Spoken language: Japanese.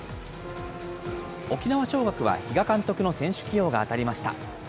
沖縄尚学は比嘉監督の選手起用が当たりました。